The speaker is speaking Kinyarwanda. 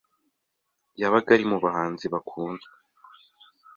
yabaga ari mu bahanzi bakunzwe.